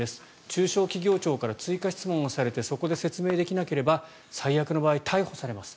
中小企業庁から追加質問されてそこで説明できなければ最悪の場合、逮捕されます。